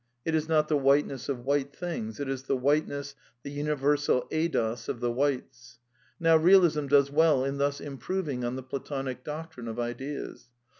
It is not the whiteness of white^v^ things : it is the whiteness, the universal aSo? of the whitesf^ Now Realism does well in thus improving on the Platonic doctrine of ideas.